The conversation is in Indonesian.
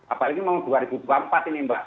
apalagi mau dua ribu empat ini mbak